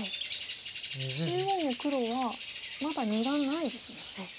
中央の黒はまだ２眼ないですもんね。